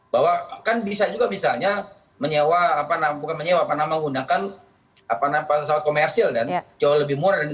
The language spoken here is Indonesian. bahwa kan bisa juga misalnya menyewa apa nama bukan menyewa apa nama menggunakan apa nama pesawat komersil dan jauh lebih murah